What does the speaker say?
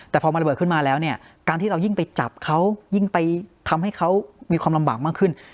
แต่พอมันระเบิดขึ้นมาแล้วเนี่ยการที่เรายิ่งไปจับเขายิ่งไปทำให้เขามีความลำบากมากขึ้น